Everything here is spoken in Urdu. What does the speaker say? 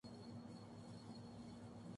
کچھ تربیت قانون نافذ کرنے والے اداروں کی ہو۔